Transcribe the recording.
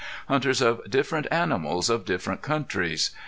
Hunters of different animals of different countries.